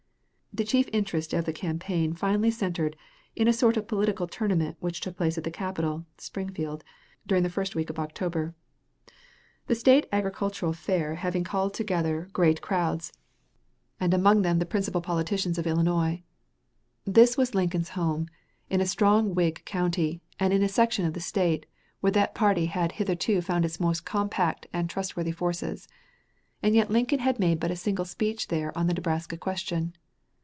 The chief interest of the campaign finally centered in a sort of political tournament which took place at the capital, Springfield, during the first week of October; the State Agricultural Fair having called together great crowds, and among them the principal politicians of Illinois. This was Lincoln's home, in a strong Whig county, and in a section of the State where that party had hitherto found its most compact and trustworthy forces. As yet Lincoln had made but a single speech there on the Nebraska question.